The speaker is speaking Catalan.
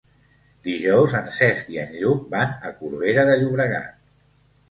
Dijous en Cesc i en Lluc van a Corbera de Llobregat.